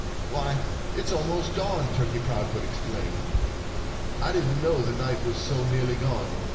"Why, it's almost dawn!" Turkey Proudfoot exclaimed. "I didn't know the night was so nearly gone.